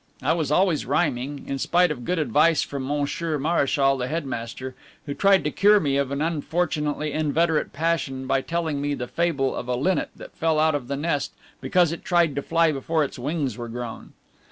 I was always rhyming, in spite of good advice from Monsieur Mareschal, the headmaster, who tried to cure me of an unfortunately inveterate passion by telling me the fable of a linnet that fell out of the nest because it tried to fly before its wings were grown.